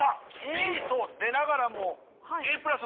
Ｂと出ながらもＡもの作り。